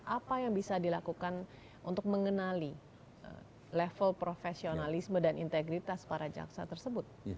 apa yang bisa dilakukan untuk mengenali level profesionalisme dan integritas para jaksa tersebut